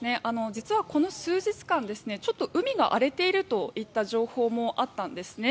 実はこの数日間ちょっと海が荒れているといった情報もあったんですね。